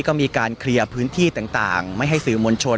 ก็มีการเคลียร์พื้นที่ต่างไม่ให้สื่อมวลชน